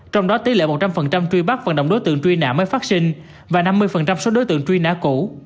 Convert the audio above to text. trong đó tỷ lệ một trăm linh truy bắt vận động đối tượng truy nã mới phát sinh và năm mươi số đối tượng truy nã cũ